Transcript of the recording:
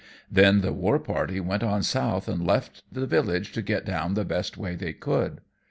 Then the war party went on south and left the village to get down the best way they could.